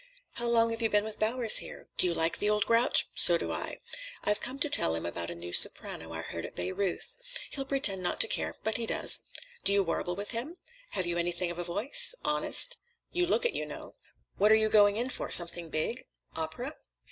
"How long have you been with Bowers here? Do you like the old grouch? So do I. I've come to tell him about a new soprano I heard at Bayreuth. He'll pretend not to care, but he does. Do you warble with him? Have you anything of a voice? Honest? You look it, you know. What are you going in for, something big? Opera?"